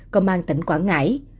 cơ quan tỉnh quảng ngãi